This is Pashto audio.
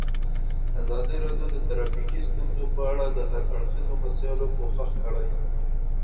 ازادي راډیو د ټرافیکي ستونزې په اړه د هر اړخیزو مسایلو پوښښ کړی.